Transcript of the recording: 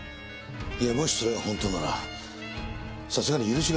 いやもしそれが本当ならさすがに許しがたいな。